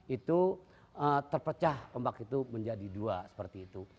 itu terpecah ombak itu menjadi dua seperti itu